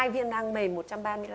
hai viên nang mềm